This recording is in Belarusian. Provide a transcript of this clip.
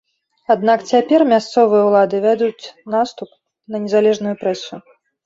Аднак цяпер мясцовыя ўлады вядуць наступ на незалежную прэсу.